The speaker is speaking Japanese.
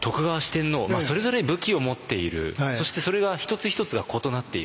それぞれ武器を持っているそしてそれが一つ一つが異なっている。